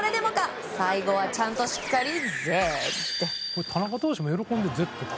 最後はちゃんとしっかりＺ。